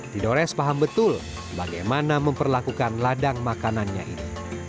didores paham betul bagaimana memperlakukan ladang makanannya ini